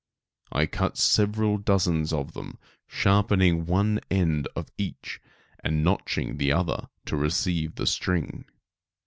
I cut several dozens of them, sharpening one end of each, and notching the other to receive the string.